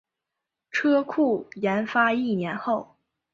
车库研发一年后